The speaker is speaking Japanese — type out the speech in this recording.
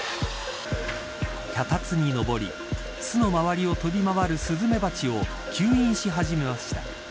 脚立に上り、その周りを飛び回るスズメバチを吸引し始めました。